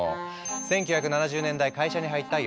１９７０年代会社に入った吉野さん。